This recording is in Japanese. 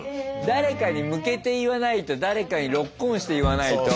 誰かに向けて言わないと誰かにロックオンして言わないと。